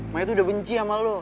maya tuh udah benci sama lo